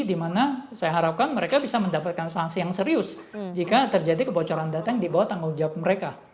di mana saya harapkan mereka bisa mendapatkan sanksi yang serius jika terjadi kebocoran data yang dibawa tanggung jawab mereka